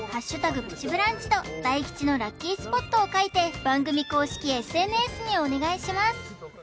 プチブランチと大吉のラッキースポットを書いて番組公式ＳＮＳにお願いします